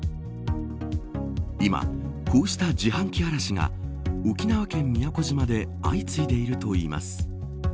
今、こうした自販機荒らしが沖縄県宮古島で相次いでいるといいます。